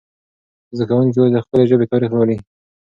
زده کوونکي اوس د خپلې ژبې تاریخ لولي.